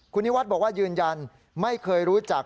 คุณนิวัฒน์บอกว่ายืนยันไม่เคยรู้จัก